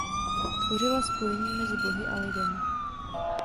Tvořila spojení mezi bohy a lidem.